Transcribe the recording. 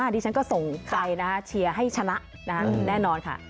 อันนี้ฉันก็ส่องใจเชียร์ให้ชนะแน่นอนค่ะ